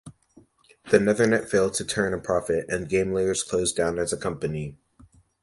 The Nethernet failed to turn a profit, and GameLayers closed down as a company.